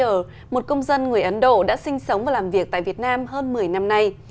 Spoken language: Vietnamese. đó là chia sẻ của anh tarit peer một công dân người ấn độ đã sinh sống và làm việc tại việt nam hơn một mươi năm nay